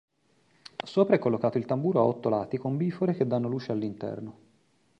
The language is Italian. Sopra è collocato il tamburo a otto lati con bifore che danno luce all'interno.